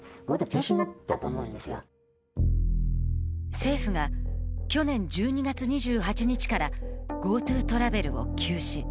政府が去年１２月２８日からＧｏＴｏトラベルを休止。